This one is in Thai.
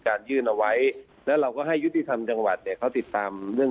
ยื่นเอาไว้แล้วเราก็ให้ยุติธรรมจังหวัดเนี่ยเขาติดตามเรื่อง